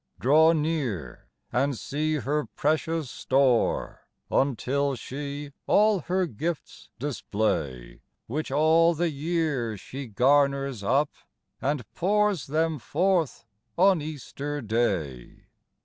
" Draw near, and see her precious store Until she all her gifts display, Which all the year she garners up, And pours them forth on Easter Day.